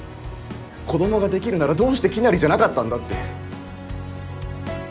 子供ができるならどうしてきなりじゃなかったんだって。